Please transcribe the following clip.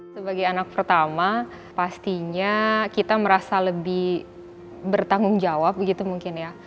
sebagai anak pertama pastinya kita merasa lebih bertanggung jawab begitu mungkin ya